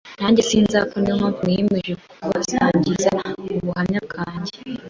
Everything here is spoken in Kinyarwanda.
nanjye sinzapfa niyo mpamvu niyemeje kubasangiza ubuhamya bwanjye